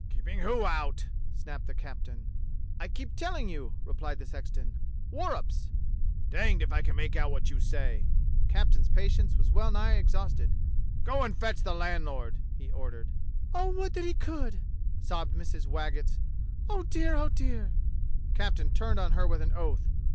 "Keeping who out.'^" snapped the captain. *' I keep teUing y ou, " repHed the sexton .*' Worrumps !'' "Danged if I can make out what you say." The captain's patience was well nigh exhausted. "Go and fetch the landlord!" he ordered. "Oh, would that he could," sobbed Mrs. Waggetts. "Oh, dear, oh, dear!" The captain turned on her with an oath.